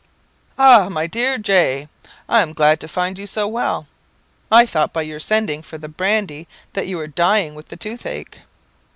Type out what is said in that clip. "Ah, my dear J , I am so glad to find you so well. I thought by your sending for the brandy, that you were dying with the toothache."